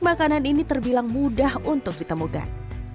makanan ini terbilang mudah untuk ditemukan